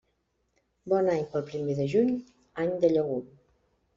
Bon any pel primer de juny, any de llegum.